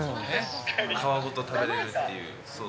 皮ごと食べれるっていう。